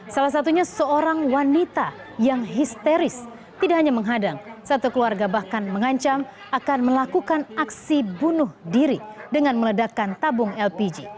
salah satunya seorang wanita yang histeris tidak hanya menghadang satu keluarga bahkan mengancam akan melakukan aksi bunuh diri dengan meledakkan tabung lpg